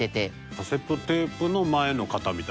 カセットテープの前の型みたいな事？